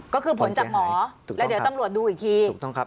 ก็คือผลจากหมอแล้วเดี๋ยวตำรวจดูอีกทีถูกต้องครับ